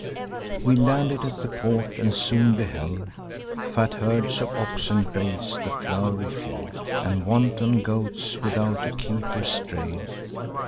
"We landed at the port, and soon beheld Fat herds of oxen graze the flow'ry field, And wanton goats without a keeper stray'd.